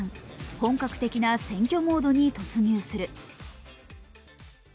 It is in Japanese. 本格的な選挙モードに突入する。